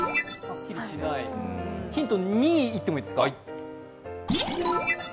ヒント２いってもいいですか？